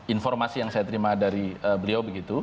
informasi yang saya terima dari beliau begitu